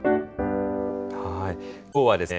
今日はですね